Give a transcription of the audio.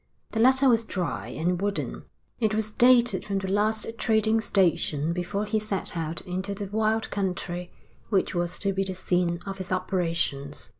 The letter was dry and wooden. It was dated from the last trading station before he set out into the wild country which was to be the scene of his operations.